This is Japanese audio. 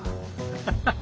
ハハハ。